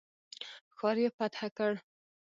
ښار یې فتح کړ.